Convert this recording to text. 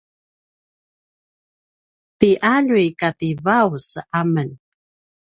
ti aljuy kati vaus amen